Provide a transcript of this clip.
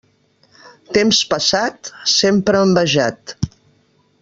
Temps passat, sempre envejat.